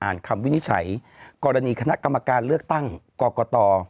คำวินิจฉัยกรณีคณะกรรมการเลือกตั้งกรกต